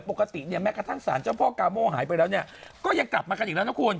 ปกติเนี่ยแม้กระทั่งสารเจ้าพ่อกาโม่หายไปแล้วเนี่ยก็ยังกลับมากันอีกแล้วนะคุณ